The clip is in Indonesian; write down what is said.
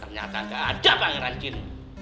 ternyata gak ada pangeran jun